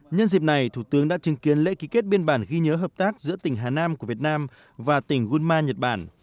nhân dịp này thủ tướng đã chứng kiến lễ ký kết biên bản ghi nhớ hợp tác giữa tỉnh hà nam của việt nam và tỉnh gunma nhật bản